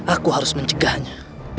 aku harus mencegahnya